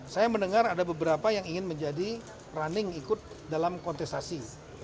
saya mendengar ada beberapa yang ingin menjadi running ikut dalam kontestasi